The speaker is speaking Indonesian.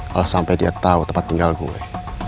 kalau sampai dia tahu tempat tinggal gue